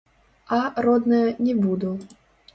А, родная, не буду.